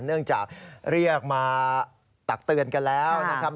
เนื่องจากเรียกมาตักเตือนกันแล้วนะครับ